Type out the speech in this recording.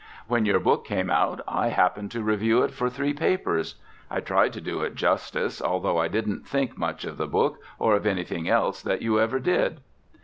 When your book came out I happened to review it for three papers. I tried to do it justice although I didn't think much of the book, or of anything else that you ever did.